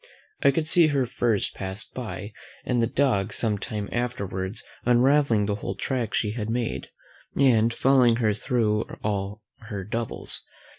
I could see her first pass by, and the dogs some time afterwards unravelling the whole track she had made, and following her thro' all her doubles.